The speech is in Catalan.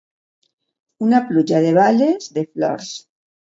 Una pluja de bales, de flors.